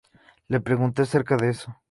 Le pregunte acerca de eso".